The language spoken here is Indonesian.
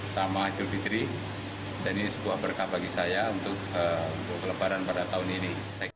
sama idul fitri dan ini sebuah berkah bagi saya untuk lebaran pada tahun ini